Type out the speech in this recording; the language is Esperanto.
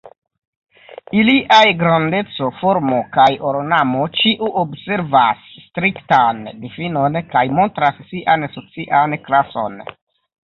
Iliaj grandeco, formo kaj ornamo ĉiu observas striktan difinon kaj montras sian socian klason.